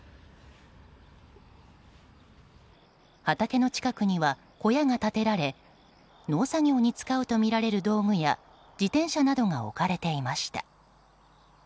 畑の近くには小屋が立てられ農作業に使うとみられる道具や自転車などが置かれていました。